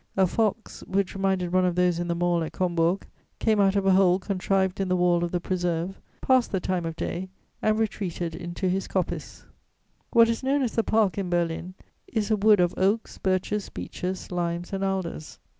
A fox, which reminded one of those in the mall at Combourg, came out of a hole contrived in the wall of the preserve, passed the time of day, and retreated into his coppice. What is known as the Park, in Berlin, is a wood of oaks, birches, beeches, limes and alders.